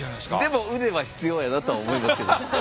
でも腕は必要やなとは思いますけど。